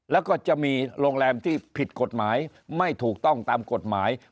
แล้วก็จะมีโรงแรมที่ผิดกฎหมายไม่ถูกต้องตามกฎหมาย